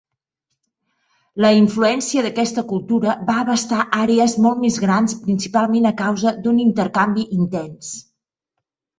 La influència d'aquesta cultura va abastar àrees molt més grans principalment a causa d'un intercanvi intens.